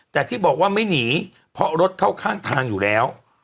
แต่ที่บอกว่าไม่หนีเพราะรถเข้าข้างทางอยู่แล้ว